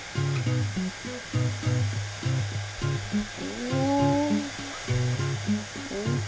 お。